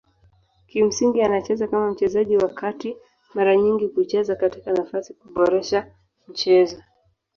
Kimsingi anacheza kama mchezaji wa kati mara nyingi kucheza katika nafasi kuboresha mchezo.